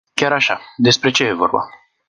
Chiar așa, despre ce este vorba?